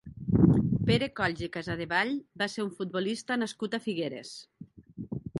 Pere Colls i Casadevall va ser un futbolista nascut a Figueres.